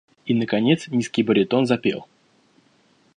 И наконец низкий баритон запел: